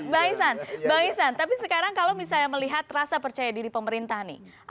bang isan bang ihsan tapi sekarang kalau misalnya melihat rasa percaya diri pemerintah nih